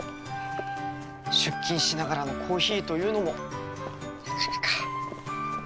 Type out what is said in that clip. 出勤しながらのコーヒーというのもなかなか。